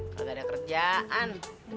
gak ada kerjaan